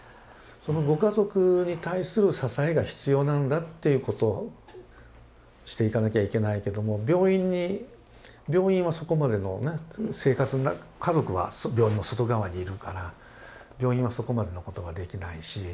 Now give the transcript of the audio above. そのご家族に対する支えが必要なんだっていうことをしていかなきゃいけないけども病院に病院はそこまでのね生活の家族は病院の外側にいるから病院はそこまでのことができないし。